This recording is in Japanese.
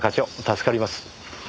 助かります。